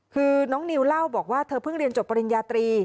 คือน้องนิวเล่าบอกว่าเธอเพิ่งเรียนจบปริญญาตรี